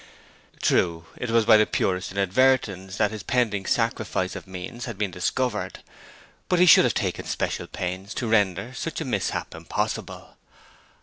True, it was by the purest inadvertence that his pending sacrifice of means had been discovered; but he should have taken special pains to render such a mishap impossible.